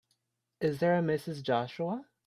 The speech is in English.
Is there a Mrs. Joshua?